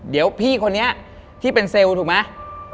เดี๋ยวพี่คนนี้ที่เป็นเซลล์ถูกไหม